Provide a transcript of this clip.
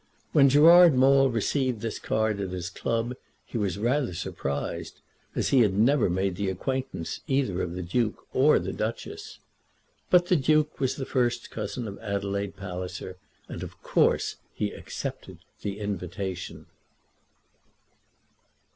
When Gerard Maule received this card at his club he was rather surprised, as he had never made the acquaintance either of the Duke or the Duchess. But the Duke was the first cousin of Adelaide Palliser, and of course he accepted the invitation.